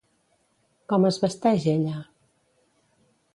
Com es vesteix ella?